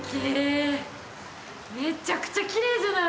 めちゃくちゃきれいじゃない？